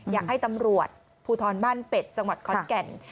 อยากให้ตำรวจภูทรบ้านเป็ดจังหวัดขอนแก่น